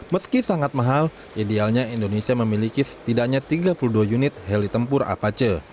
meski sangat mahal idealnya indonesia memiliki setidaknya tiga puluh dua unit heli tempur apache